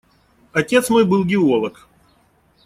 Отец мой был геолог.